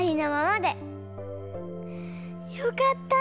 よかった。